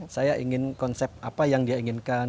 saya ingin konsep apa yang dia inginkan